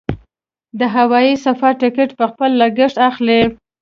د هوايي سفر ټکټ په خپل لګښت اخلي.